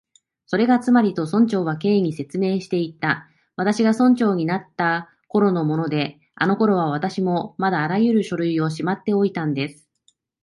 「それがつまり」と、村長は Ｋ に説明していった「私が村長になったころのもので、あのころは私もまだあらゆる書類をしまっておいたんです」